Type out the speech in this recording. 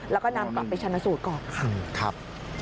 แล้วก็นำไปชั้นสูตรก่อนครับ